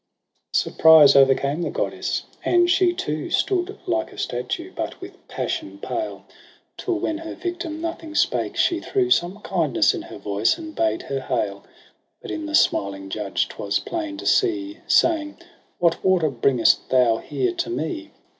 S Surprise o'ercame the goddess, and she too Stood like a statue, but with passion pale : Till, when her victim nothing spake, she threw Some kindness in her voice, and bade her hail j But in the smiling judge 'twas plain to see — Saying ' What water bringst thou here to me